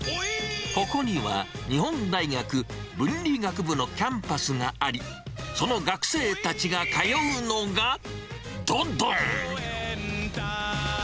ここには日本大学文理学部のキャンパスがあり、その学生たちが通うのが、どどん。